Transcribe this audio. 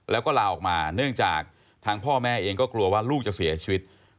แล้วก็ลาออกมาเนื่องจากทางพ่อแม่เองก็กลัวว่าลูกจะเสียชีวิต